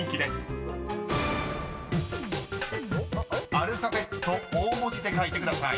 ［アルファベット大文字で書いてください］